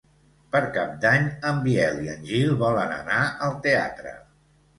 Per Cap d'Any en Biel i en Gil volen anar al teatre.